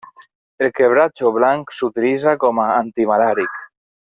El quebratxo blanc s'utilitza com antimalàric.